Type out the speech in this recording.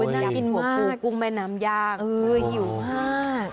อยากกินหัวปลูกกุ้งแม่น้ำย่างหิวมาก